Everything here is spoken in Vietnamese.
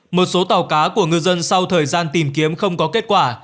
một số tàu cá của ngư dân sau thời gian tìm kiếm không có kết quả